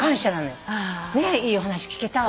いいお話聞けたわ。